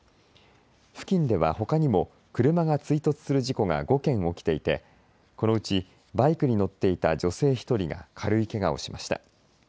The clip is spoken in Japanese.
付近ではほかにも車が追突する事故が５件起きていてこのうちバイクに乗っていた女性１人が軽いけがをしました。